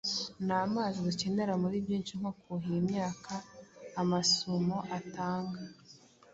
namazi dukenera muri byinshi, nko kuhira imyaka, amasumo atanga